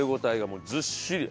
もうずっしり。